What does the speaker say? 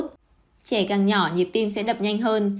trẻ càng nhỏ nhịp tim sẽ đập nhanh hơn